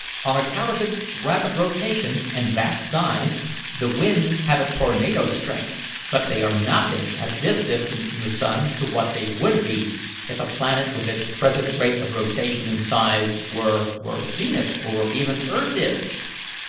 On account of its rapid rotation and vast size, the winds have a tornado's strength, but they are nothing at this distance from the sun to what they would be if a planet with its present rate of rotation and size were where Venus or even the earth is.